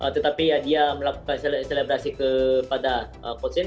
tetapi dia melakukan selebasi kepada coach shin